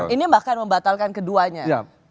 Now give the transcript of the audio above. ini bahkan membatalkan keduanya